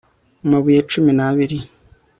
amabuye cumi n'abiri